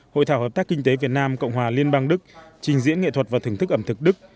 hội thảo hợp tác kinh tế việt nam cộng hòa liên bang đức trình diễn nghệ thuật và thưởng thức ẩm thực đức